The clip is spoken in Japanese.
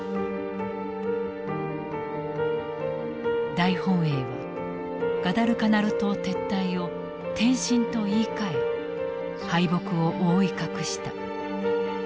大本営はガダルカナル島撤退を転進と言いかえ敗北を覆い隠した。